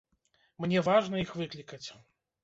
Мне важна іх выклікаць.